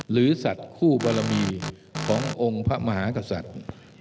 สัตว์คู่บารมีขององค์พระมหากษัตริย์